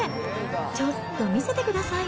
ちょっと見せてください。